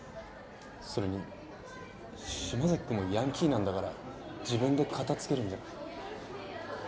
それに島崎君もヤンキーなんだから自分でカタつけるんじゃない？